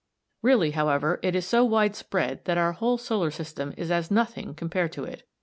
Really, however, it is so widespread that our whole solar system is as nothing compared to it.